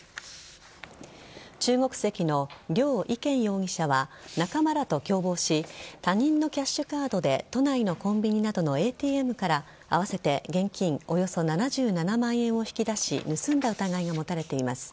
中国籍のリョウ・イケン容疑者は仲間らと共謀し他人のキャッシュカードで都内のコンビニなどのＡＴＭから合わせて現金およそ７７万円を引き出し盗んだ疑いが持たれています。